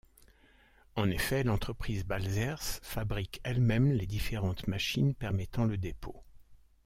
En effet l'entreprise Balzers fabrique elle-même les différentes machines permettant le dépôt.